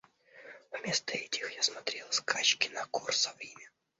Вместо этих я смотрела скачки на Корсо в Риме.